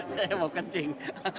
saya mau kencing